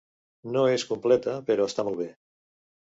No és completa però està molt bé.